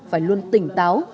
phải luôn tỉnh táo